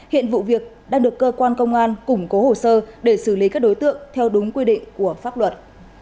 hiện vụ việc đang được cơ quan công an củng cố hồ sơ để xử lý các đối tượng theo đúng quy định của pháp luật